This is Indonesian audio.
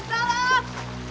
nggak tunggu kak